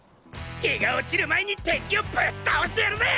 日が落ちる前に敵をブッ倒してやるぜ！